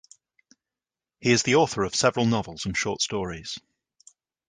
He is the author of several novels and short stories.